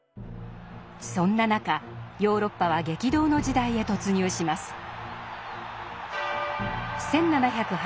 そんな中ヨーロッパは激動の時代へ突入します。